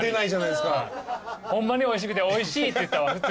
ホンマにおいしくて「おいしい」って言ったわ普通に。